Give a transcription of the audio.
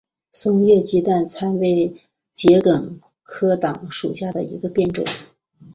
松叶鸡蛋参为桔梗科党参属下的一个变种。